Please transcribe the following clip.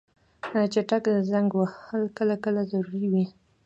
چټک زنګ وهل کله کله ضروري وي.